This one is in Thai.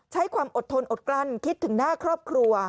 ใช้ความอดทนอดกลั้นคิดถึงหน้าครอบครัว